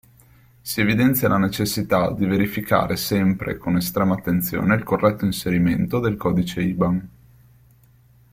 Si evidenzia la necessità di verificare sempre con estrema attenzione il corretto inserimento del codice IBAN.